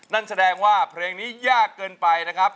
นั่นแสดงว่าเพลงนี้ยากเกินไปนะครับ